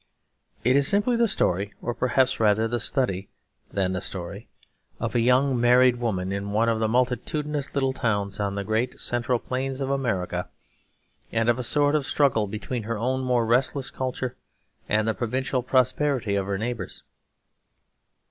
It is simply the story, or perhaps rather the study than the story, of a young married woman in one of the multitudinous little towns on the great central plains of America; and of a sort of struggle between her own more restless culture and the provincial prosperity of her neighbours.